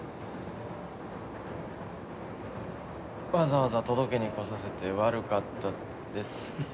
わざわざ届けに来させて悪かったです